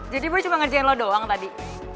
jadi boy cuma ngerjain lo doang tadi